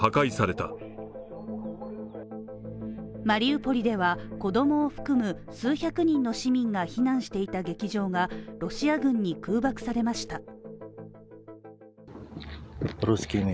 マリウポリでは子供を含む数百人の市民が避難していた劇場がロシア軍に空爆されました。